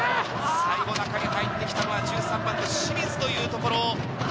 最後、中に入ってきたのは１３番の清水というところ。